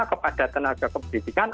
kepada tenaga keberdikan